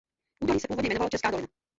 Údolí se původně jmenovalo "Česká dolina".